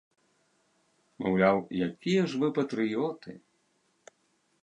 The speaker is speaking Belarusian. Маўляў, якія ж вы патрыёты!